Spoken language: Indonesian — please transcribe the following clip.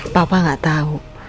papa gak tau